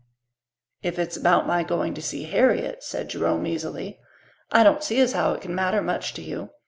"If it's about my going to see Harriet," said Jerome easily "I don't see as how it can matter much to you.